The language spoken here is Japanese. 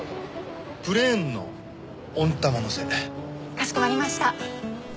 かしこまりました。